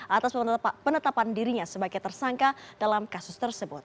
atas penetapan dirinya sebagai tersangka dalam kasus tersebut